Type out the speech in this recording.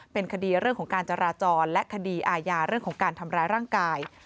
เป็นคดีเรื่องของการจราจรและคดีอาญาเรื่องของการทำร้ายร่างกาย